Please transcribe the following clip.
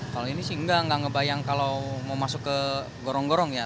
kalau ini sih nggak ngebayang kalau mau masuk ke gorong gorong ya